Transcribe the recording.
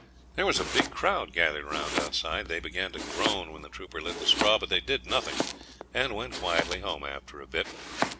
There was a big crowd gathered round outside. They began to groan when the trooper lit the straw, but they did nothing, and went quietly home after a bit.